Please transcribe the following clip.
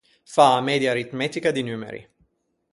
Fâ a media aritmetica di numeri.